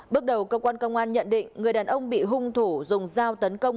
bước đầu công an công an nhận định người đàn ông bị hung thủ dùng dao tấn công